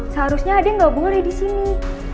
seharusnya ade nggak boleh di sini